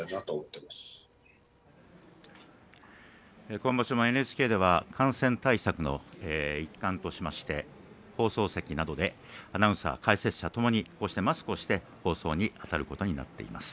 今場所もＮＨＫでは感染対策の一貫としまして放送席などでアナウンサー、解説者ともにマスクをして放送にあたることになっています。